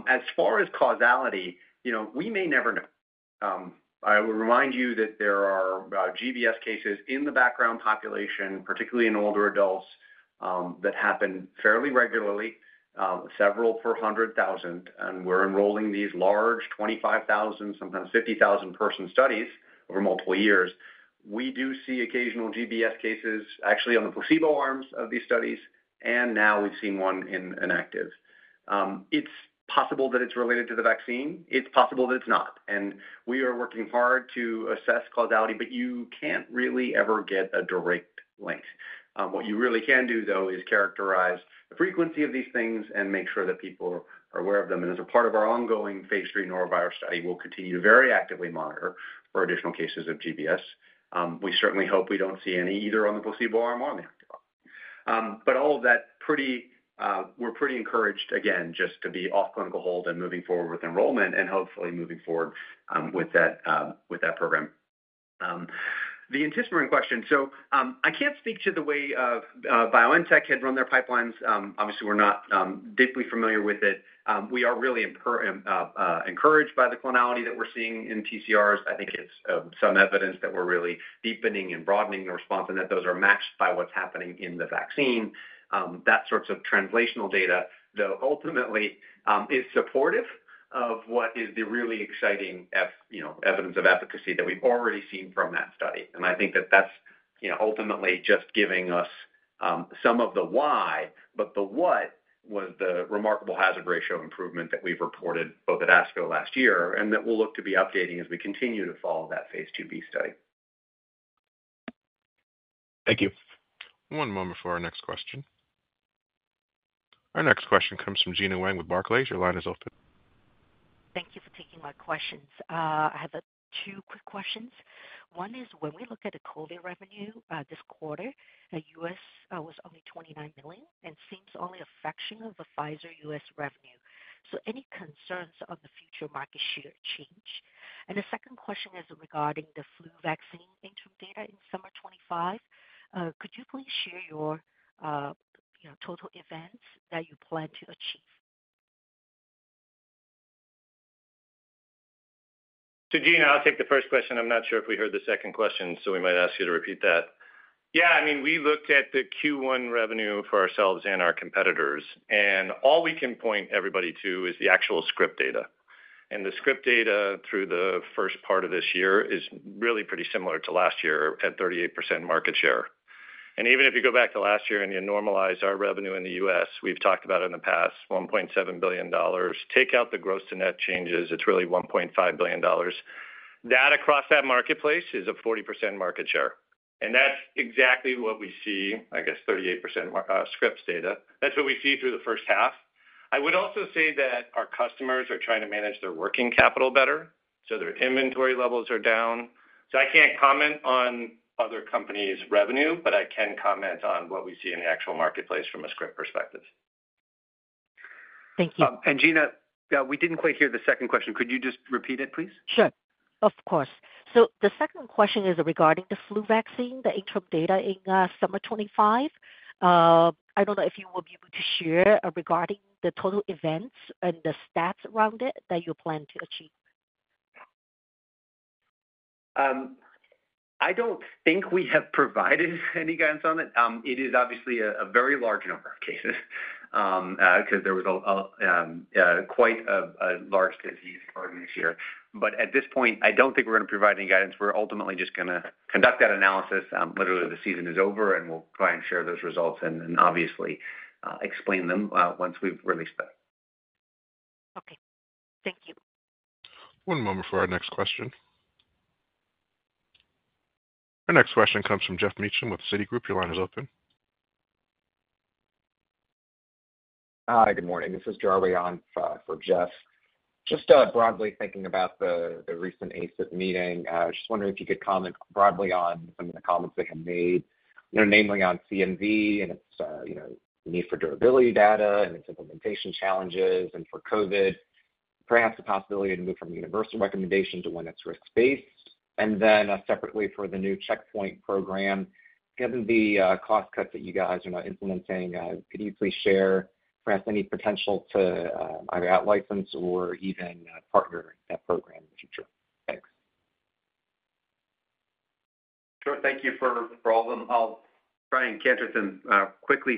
As far as causality, we may never know. I will remind you that there are GBS cases in the background population, particularly in older adults, that happen fairly regularly, several per 100,000, and we're enrolling these large 25,000, sometimes 50,000-person studies over multiple years. We do see occasional GBS cases actually on the placebo arms of these studies, and now we've seen one in inactive. It's possible that it's related to the vaccine. It's possible that it's not. We are working hard to assess causality, but you can't really ever get a direct link. What you really can do, though, is characterize the frequency of these things and make sure that people are aware of them. As a part of our ongoing Phase 3 norovirus study, we'll continue to very actively monitor for additional cases of GBS. We certainly hope we don't see any either on the placebo arm or on the inactive arm. All of that, we're pretty encouraged, again, just to be off clinical hold and moving forward with enrollment and hopefully moving forward with that program. The Intismeran question, I can't speak to the way BioNTech had run their pipelines. Obviously, we're not deeply familiar with it. We are really encouraged by the clonality that we're seeing in PCRs. I think it's some evidence that we're really deepening and broadening the response and that those are matched by what's happening in the vaccine. That sorts of translational data, though, ultimately is supportive of what is the really exciting evidence of efficacy that we've already seen from that study. I think that that's ultimately just giving us some of the why, but the what was the remarkable hazard ratio improvement that we've reported both at ASCO last year and that we'll look to be updating as we continue to follow that Phase IIB study. Thank you. One moment for our next question. Our next question comes from Gena Wang with Barclays. Your line is open. Thank you for taking my questions. I have two quick questions. One is, when we look at the COVID revenue this quarter, U.S. was only $29 million and seems only a fraction of the Pfizer U.S. revenue. Any concerns on the future market share change? The second question is regarding the flu vaccine interim data in summer 2025. Could you please share your total events that you plan to achieve? Gena, I'll take the first question. I'm not sure if we heard the second question, so we might ask you to repeat that. Yeah. I mean, we looked at the Q1 revenue for ourselves and our competitors, and all we can point everybody to is the actual script data. The script data through the first part of this year is really pretty similar to last year at 38% market share. Even if you go back to last year and you normalize our revenue in the U.S., we've talked about it in the past, $1.7 billion. Take out the gross to net changes, it's really $1.5 billion. That across that marketplace is a 40% market share. That's exactly what we see, I guess, 38% script data. That's what we see through the first half. I would also say that our customers are trying to manage their working capital better, so their inventory levels are down. I can't comment on other companies' revenue, but I can comment on what we see in the actual marketplace from a script perspective. Thank you. Gina, we did not quite hear the second question. Could you just repeat it, please? Sure. Of course. The second question is regarding the flu vaccine, the interim data in summer 2025. I do not know if you will be able to share regarding the total events and the stats around it that you plan to achieve. I don't think we have provided any guidance on it. It is obviously a very large number of cases because there was quite a large disease growing this year. At this point, I don't think we're going to provide any guidance. We're ultimately just going to conduct that analysis. Literally, the season is over, and we'll try and share those results and obviously explain them once we've released them. Okay. Thank you. One moment for our next question. Our next question comes from Jeff Meacham with Citigroup. Your line is open. Hi. Good morning. This is Jolene for Jeff. Just broadly thinking about the recent ACIP meeting, I was just wondering if you could comment broadly on some of the comments they have made, namely on CMV and its need for durability data and its implementation challenges and for COVID, perhaps the possibility to move from universal recommendation to when it's risk-based. Separately for the new checkpoint program, given the cost cuts that you guys are now implementing, could you please share perhaps any potential to either out-license or even partner in that program in the future? Thanks. Sure. Thank you for all of them. I'll try and cantus them quickly.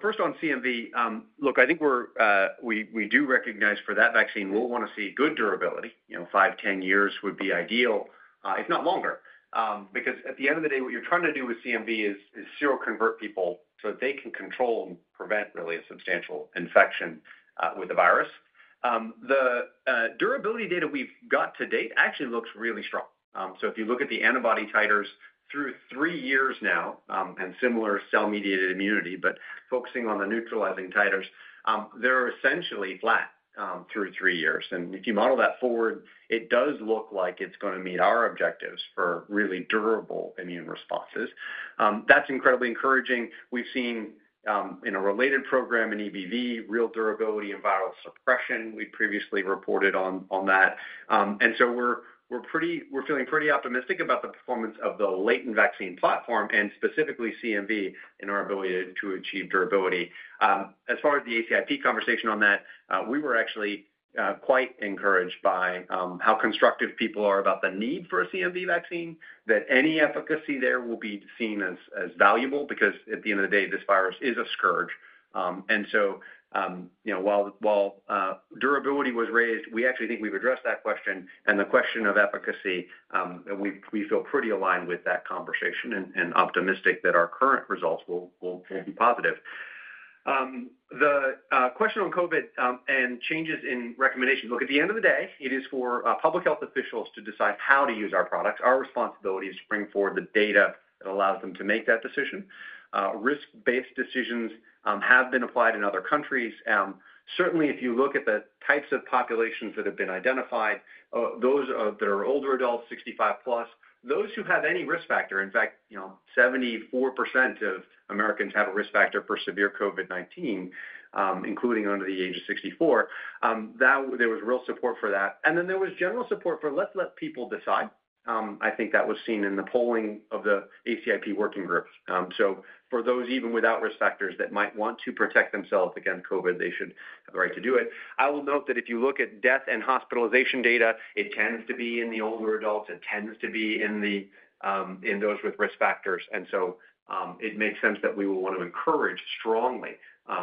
First on CMV, look, I think we do recognize for that vaccine, we'll want to see good durability. Five, 10 years would be ideal, if not longer, because at the end of the day, what you're trying to do with CMV is seroconvert people so that they can control and prevent really a substantial infection with the virus. The durability data we've got to date actually looks really strong. If you look at the antibody titers through three years now and similar cell-mediated immunity, but focusing on the neutralizing titers, they're essentially flat through three years. If you model that forward, it does look like it's going to meet our objectives for really durable immune responses. That's incredibly encouraging. We've seen in a related program in EBV, real durability and viral suppression. We previously reported on that. We are feeling pretty optimistic about the performance of the latent vaccine platform and specifically CMV in our ability to achieve durability. As far as the ACIP conversation on that, we were actually quite encouraged by how constructive people are about the need for a CMV vaccine, that any efficacy there will be seen as valuable because at the end of the day, this virus is a scourge. While durability was raised, we actually think we have addressed that question. The question of efficacy, we feel pretty aligned with that conversation and optimistic that our current results will be positive. The question on COVID and changes in recommendations, look, at the end of the day, it is for public health officials to decide how to use our products. Our responsibility is to bring forward the data that allows them to make that decision. Risk-based decisions have been applied in other countries. Certainly, if you look at the types of populations that have been identified, those that are older adults, 65 plus, those who have any risk factor, in fact, 74% of Americans have a risk factor for severe COVID-19, including under the age of 64. There was real support for that. There was general support for, "Let's let people decide." I think that was seen in the polling of the ACIP working group. For those even without risk factors that might want to protect themselves against COVID, they should have the right to do it. I will note that if you look at death and hospitalization data, it tends to be in the older adults. It tends to be in those with risk factors. It makes sense that we will want to encourage strongly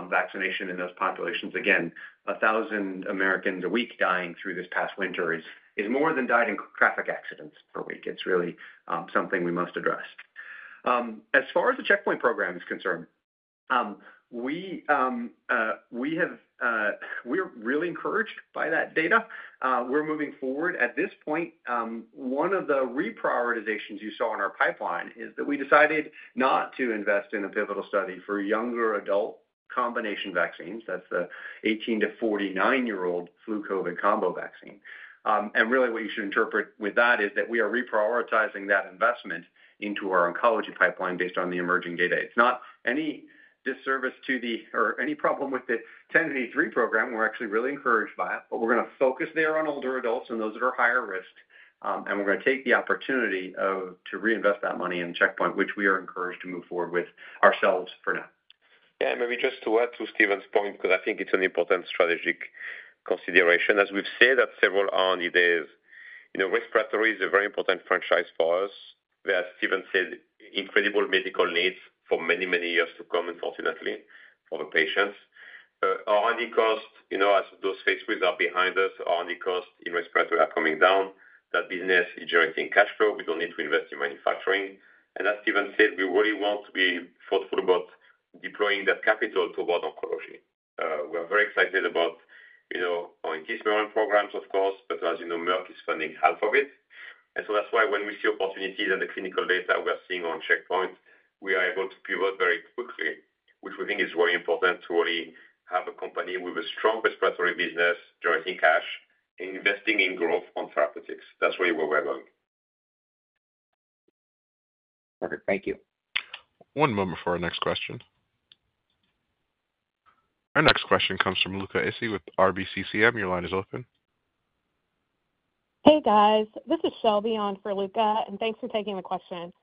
vaccination in those populations. Again, 1,000 Americans a week dying through this past winter is more than dying in traffic accidents per week. It's really something we must address. As far as the checkpoint program is concerned, we are really encouraged by that data. We are moving forward. At this point, one of the reprioritizations you saw in our pipeline is that we decided not to invest in a pivotal study for younger adult combination vaccines. That's the 18-49-year-old flu/COVID combo vaccine. What you should interpret with that is that we are reprioritizing that investment into our oncology pipeline based on the emerging data. It's not any disservice to the or any problem with the 1083 program. We're actually really encouraged by it, but we're going to focus there on older adults and those that are higher risk, and we're going to take the opportunity to reinvest that money in the checkpoint, which we are encouraged to move forward with ourselves for now. Yeah. Maybe just to add to Stephen's point, because I think it's an important strategic consideration. As we've said at several R&D days, respiratory is a very important franchise for us. As Stephen said, incredible medical needs for many, many years to come, unfortunately, for the patients. R&D cost, as those Phase threes are behind us, R&D cost in respiratory are coming down. That business is generating cash flow. We don't need to invest in manufacturing. As Stephen said, we really want to be thoughtful about deploying that capital toward oncology. We are very excited about Intismeran programs, of course, but as you know, Merck is funding half of it. That is why when we see opportunities and the clinical data we are seeing on checkpoint, we are able to pivot very quickly, which we think is very important to really have a company with a strong respiratory business, generating cash, investing in growth on therapeutics. That is really where we are going. Perfect. Thank you. One moment for our next question. Our next question comes from Luca Issi with RBCCM. Your line is open. Hey, guys. This is Shelby for Luca, and thanks for taking the question.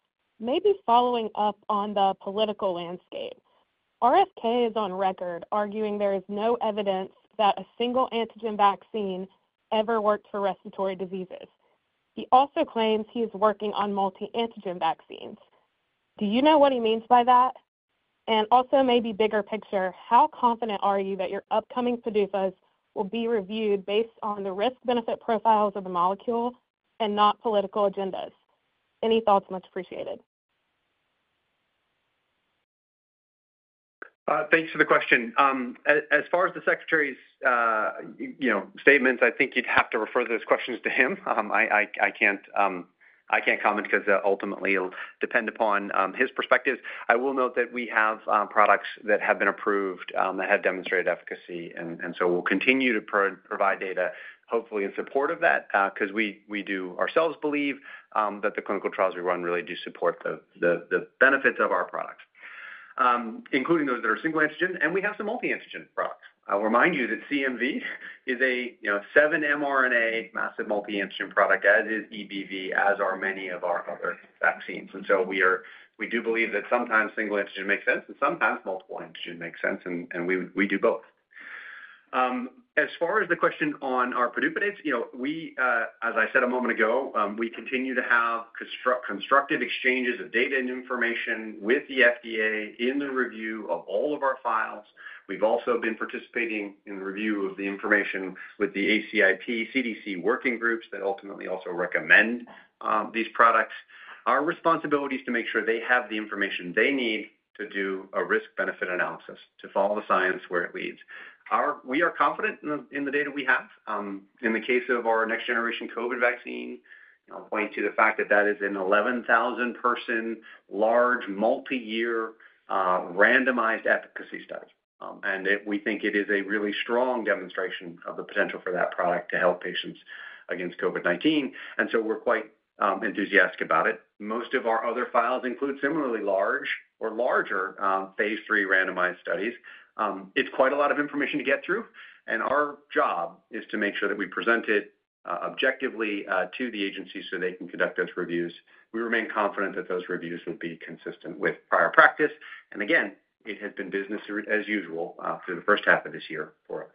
Maybe following up on the political landscape, RFK is on record arguing there is no evidence that a single antigen vaccine ever worked for respiratory diseases. He also claims he is working on multi-antigen vaccines. Do you know what he means by that? Also, maybe bigger picture, how confident are you that your upcoming PDUFAs will be reviewed based on the risk-benefit profiles of the molecule and not political agendas? Any thoughts? Much appreciated. Thanks for the question. As far as the secretary's statements, I think you'd have to refer those questions to him. I can't comment because ultimately it'll depend upon his perspectives. I will note that we have products that have been approved that have demonstrated efficacy, and so we'll continue to provide data, hopefully in support of that, because we do ourselves believe that the clinical trials we run really do support the benefits of our products, including those that are single antigen, and we have some multi-antigen products. I'll remind you that CMV is a 7-mRNA massive multi-antigen product, as is EBV, as are many of our other vaccines. We do believe that sometimes single antigen makes sense, and sometimes multiple antigen makes sense, and we do both. As far as the question on our PDUFA dates, as I said a moment ago, we continue to have constructive exchanges of data and information with the FDA in the review of all of our files. We've also been participating in the review of the information with the ACIP CDC working groups that ultimately also recommend these products. Our responsibility is to make sure they have the information they need to do a risk-benefit analysis to follow the science where it leads. We are confident in the data we have. In the case of our next-generation COVID vaccine, I'll point to the fact that that is an 11,000-person large, multi-year randomized efficacy study. We think it is a really strong demonstration of the potential for that product to help patients against COVID-19. We are quite enthusiastic about it. Most of our other files include similarly large or larger Phase three randomized studies. It's quite a lot of information to get through. Our job is to make sure that we present it objectively to the agency so they can conduct those reviews. We remain confident that those reviews will be consistent with prior practice. It has been business as usual through the first half of this year for us.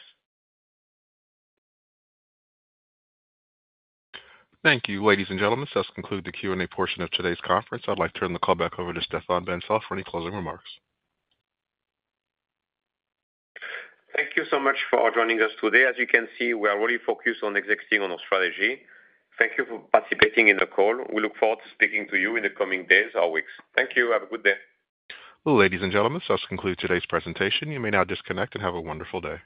Thank you, ladies and gentlemen. That has concluded the Q&A portion of today's conference. I'd like to turn the call back over to Stéphane Bancel for any closing remarks. Thank you so much for joining us today. As you can see, we are really focused on executing on our strategy. Thank you for participating in the call. We look forward to speaking to you in the coming days or weeks. Thank you. Have a good day. Ladies and gentlemen, that concludes today's presentation. You may now disconnect and have a wonderful day.